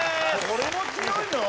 これも強いの？